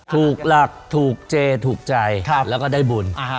ถูกหลักถูกเจถูกใจแล้วก็ได้บุญ